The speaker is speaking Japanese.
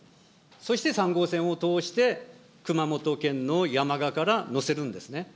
そして３号線を通して、熊本県の山鹿から乗せるんですね。